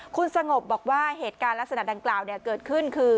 คุณสงบบอกว่าเหตุการณ์ลักษณะดังกล่าวเกิดขึ้นคือ